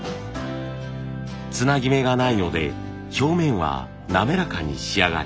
つなぎ目がないので表面は滑らかに仕上がり